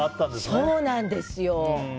そうなんですよ。